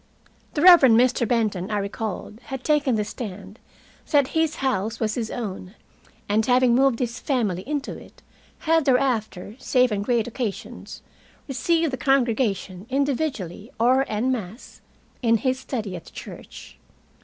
The Reverend Mr. Benton, I recalled, had taken the stand that his house was his own, and having moved his family into it, had thereafter, save on great occasions, received the congregation individually or en masse, in his study at the church.